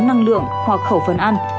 năng lượng hoặc khẩu phần ăn